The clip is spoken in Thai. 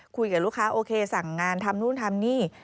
คุยกับลูกค้าโอเคสั่งงานทำนู่นทำนี่